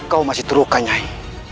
kau masih terluka nyai